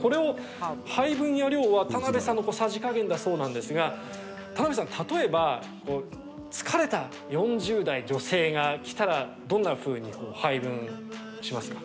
これを配分や量は田邉さんのさじ加減だそうですが田邉さん、例えば疲れた４０代女性が来たらどんなふうに配分しますか？